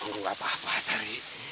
nggak apa apa tari